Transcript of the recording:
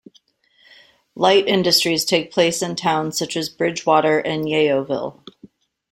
Light industries take place in towns such as Bridgwater and Yeovil.